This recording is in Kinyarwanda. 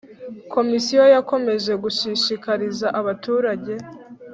Komisiyo yakomeje gushishikariza abaturage.